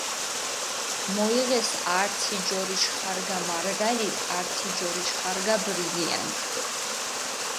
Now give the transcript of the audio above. მოიღეს ართი ჯორიშ ხარგა მარგალიტი, ართი ჯორიშ ხარგა ბრილიანტი.